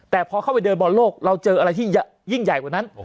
แต่พอเข้าไปเดินบอลโลกเราเจออะไรที่ยิ่งใหญ่กว่านั้น